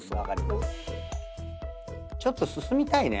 ちょっと進みたいね。